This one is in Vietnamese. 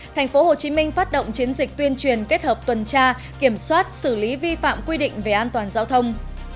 thành phố hồ chí minh phát động chiến dịch tuyên truyền kết hợp tuần tra kiểm soát xử lý vi phạm quy định về an toàn giáo thông